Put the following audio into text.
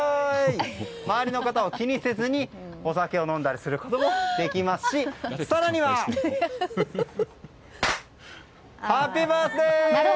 周りの方を気にせずにお酒を飲んだりすることもできますし更にはハッピーバースデー！